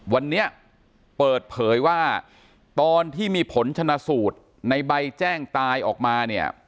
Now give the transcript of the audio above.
วันนี้เปิดเผยว่าตอนที่มีผลชนะสูตรในใบแจ้งตายออกมาเนี่ย